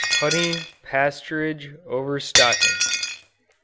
HONEY. PASTURAGE. OVERSTOCKING.